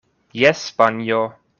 Jes, panjo.